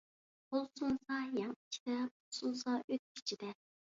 قول سۇنسا يەڭ ئىچىدە، پۇت سۇنسا ئۆتۇك ئىچىدە.